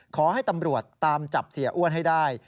ขอให้ตำรวจตามจับเสียอ้วนให้ได้